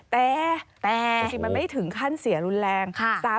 แต่จริงมันไม่ถึงขั้นเสียรุนแรง